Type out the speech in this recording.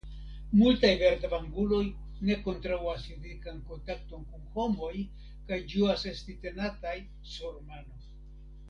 Multaj verdavanguloj ne kontraŭas fizikan kontakton kun homoj kaj ĝuas esti tenataj sur mano.